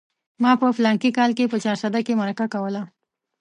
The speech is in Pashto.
ما په فلاني کال کې په چارسده کې مرکه کوله.